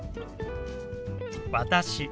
「私」。